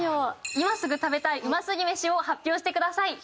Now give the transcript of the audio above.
今すぐ食べたい美味すぎメシを発表してください。